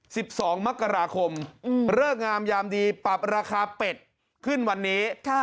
สิบสองมกราคมอืมเลิกงามยามดีปรับราคาเป็ดขึ้นวันนี้ค่ะ